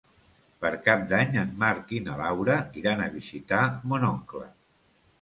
Per Cap d'Any en Marc i na Laura iran a visitar mon oncle.